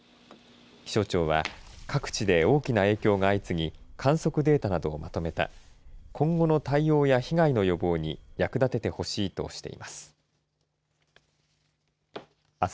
気象庁は各地で、大きな影響が相次ぎ観測データなどをまとめた今後の対応や被害の予防に役立ててほしいとしています。